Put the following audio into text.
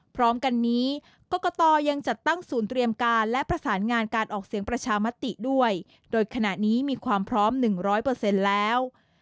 พร้อมกันนี้กรกตยังจัดตั้งศูนย์เตรียมการและประสานงานการออกเสียงประชามติด้วยโดยขณะนี้มีความพร้อม๑๐๐แล้ว